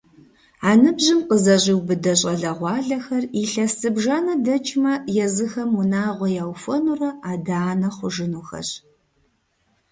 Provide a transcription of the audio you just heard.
А ныбжьым къызэщӏиубыдэ щӏалэгъуалэхэр илъэс зыбжанэ дэкӏмэ езыхэм унагъуэ яухуэнурэ адэ-анэ хъужынухэщ.